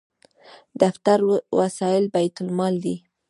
دفتري وسایل بیت المال دي